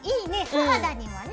素肌にもね！